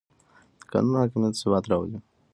د قانون حاکمیت ثبات راولي